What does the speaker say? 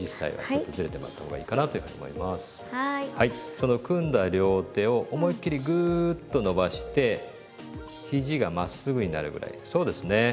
その組んだ両手を思いっ切りグーッと伸ばしてひじがまっすぐになるぐらいそうですね。